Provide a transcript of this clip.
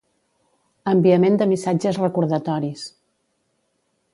enviament de missatges recordatoris